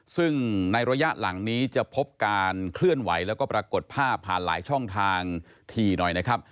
ซึ่งในระยะหลังนี้จะพบการเคลื่อนไหวแล้วก็ปรากฏภาพผ่านหลายช่องทางถี่หน่อยนะครับ